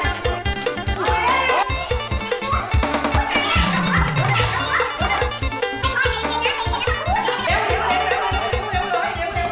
เดินเร็ว